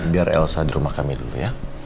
biar elsa di rumah kami dulu ya